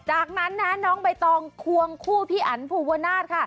จากนั้นนะน้องใบตองควงคู่พี่อันภูวนาศค่ะ